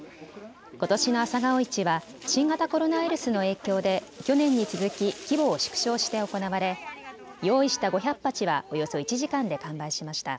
ことしの朝顔市は新型コロナウイルスの影響で去年に続き規模を縮小して行われ用意した５００鉢はおよそ１時間で完売しました。